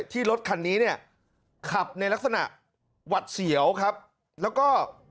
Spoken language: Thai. รถคันนี้เนี่ยขับในลักษณะหวัดเสียวครับแล้วก็